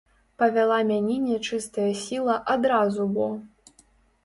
Павяла мяне нячыстая сіла адразу бо!